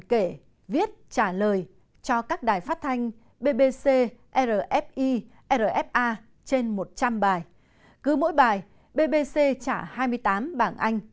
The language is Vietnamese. kể viết trả lời cho các đài phát thanh bbc rfi rfa trên một trăm linh bài cứ mỗi bài bbc trả hai mươi tám bảng anh